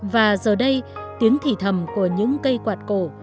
và giờ đây tiếng thì thầm của những cây quạt cổ